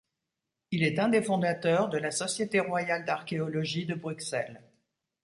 Il est un des fondateurs de la Société royale d'archéologie de Bruxelles.